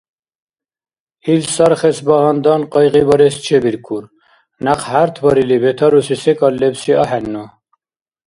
Ил сархес багьандан къайгъибарес чебиркур, някъ хӀяртбарили, бетаруси секӀал лебси ахӀенну.